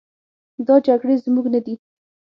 دا جګړې زموږ نه دي.